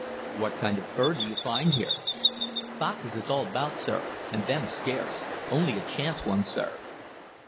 "What kind of fur do you find here?" "Foxes is about all, sir, an' them's scarce; only a chance one, sir."